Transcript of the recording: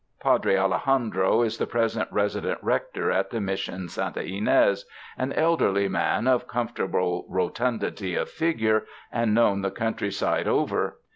Padre Alejandro is the present resident rector at the Mission Santa Ynes, an elderly man of comfort able rotundity of "figure and known the countryside . over.